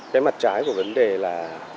cái mặt trái của vấn đề là